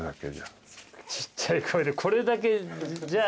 ちっちゃい声で「これだけじゃあ」じゃない。